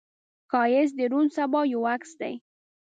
ښایست د روڼ سبا یو عکس دی